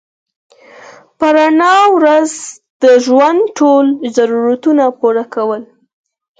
په رڼا ورځ د ژوند ټول ضرورتونه پوره کول